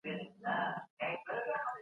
زه لیک نقل کوم.